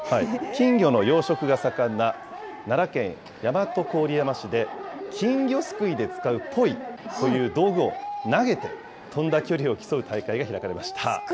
金魚の養殖が盛んな奈良県大和郡山市で、金魚すくいで使うポイという道具を投げて、飛んだ距離を競う大会が開かれました。